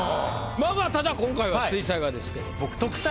まあまあただ今回は水彩画ですけど。